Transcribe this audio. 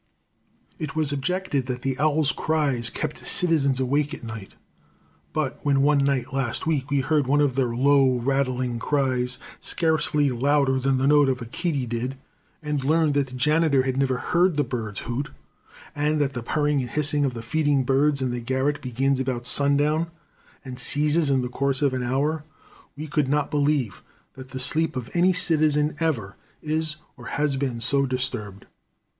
It was objected that the owls' cries kept citizens awake at night. But when, one night last week, we heard one of their low, rattling cries, scarcely louder than the note of a katydid, and learned that the janitor had never heard the birds hoot, and that the purring and hissing of the feeding birds in the garret begins about sundown and ceases in the course of an hour, we could not believe that the sleep of any citizen ever is or has been so disturbed.